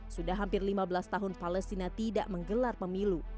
sudah hampir lima belas tahun palestina tidak menggelar pemilu